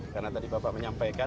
karena tadi bapak menyampaikan